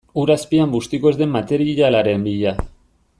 Ur azpian bustiko ez den materialaren bila.